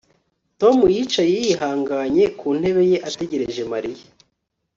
Tom yicaye yihanganye ku ntebe ye ategereje Mariya